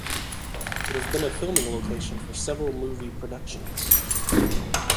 It has been a filming location for several movie productions.